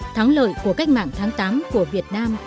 thắng lợi của cách mạng tháng tám của việt nam